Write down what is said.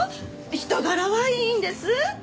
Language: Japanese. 人柄はいいんです。